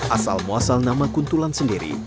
asal muasal nama kuntulan sendiri